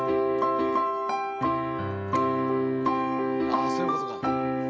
ああそういうことか。